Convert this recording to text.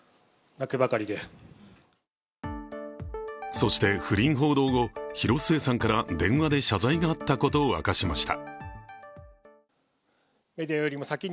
そして、不倫報道後広末さんから電話で謝罪があったことを明かしました。